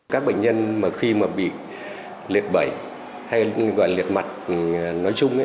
các bệnh nhân khi mà bị liệt bẩy hay gọi là liệt mặt nói chung